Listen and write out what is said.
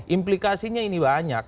implikasinya ini banyak